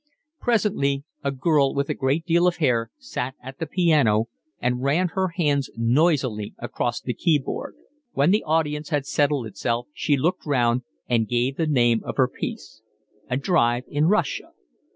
Presently a girl with a great deal of hair sat at the piano and ran her hands noisily across the keyboard. When the audience had settled itself she looked round and gave the name of her piece. "A Drive in Russia."